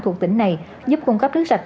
thuộc tỉnh này giúp cung cấp nước sạch